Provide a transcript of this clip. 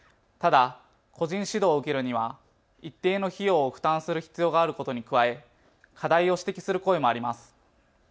ただ個人指導を受けるには一定の費用を負担する必要があることに加えて課題を指摘する声もあります。